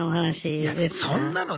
いやそんなのね